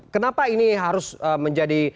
kenapa ini harus menjadi